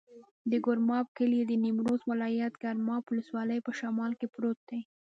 د ګرماب کلی د نیمروز ولایت، ګرماب ولسوالي په شمال کې پروت دی.